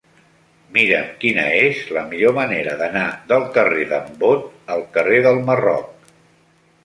Mira'm quina és la millor manera d'anar del carrer d'en Bot al carrer del Marroc.